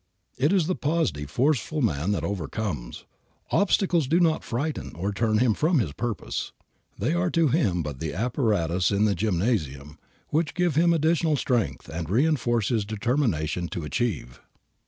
It is the positive, forceful man that overcomes. Obstacles do not frighten, or turn him from his purpose. They are to him but the apparatus in the gymnasium, which give him additional strength and reinforce his determination to achieve.